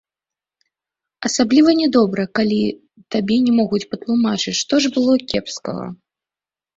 Асабліва нядобра, калі табе не могуць патлумачыць, што ж было кепскага.